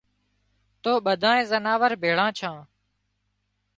تو ٻڌانئي زناوۯ ڀيۯان ڇان